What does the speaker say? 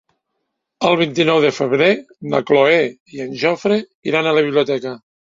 El vint-i-nou de febrer na Cloè i en Jofre iran a la biblioteca.